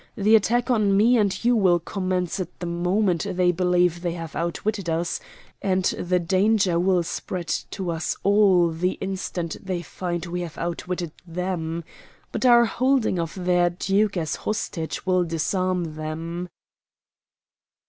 The attack on me and you will commence at the moment they believe they have outwitted us; and the danger will spread to us all the instant they find we have outwitted them. But our holding of their duke as a hostage will disarm them."